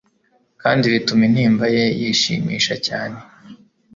kandi bituma intimba ye yishimisha cyane